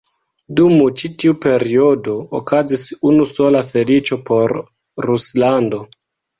Dum ĉi tiu periodo okazis unu sola feliĉo por Ruslando.